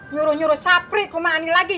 nyuruh nyuruh sapri ke rumah ani lagi ya